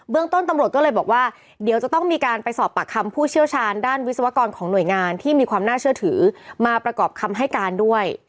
ต้นตำรวจก็เลยบอกว่าเดี๋ยวจะต้องมีการไปสอบปากคำผู้เชี่ยวชาญด้านวิศวกรของหน่วยงานที่มีความน่าเชื่อถือมาประกอบคำให้การด้วย